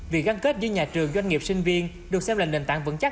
vì gắn kết với nhà trường doanh nghiệp sinh viên được xem là nền tảng vững chắc